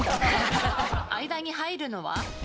間に入るのは？